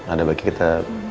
ada bagi kita